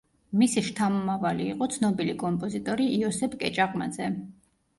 მისი შთამომავალი იყო ცნობილი კომპოზიტორი იოსებ კეჭაყმაძე.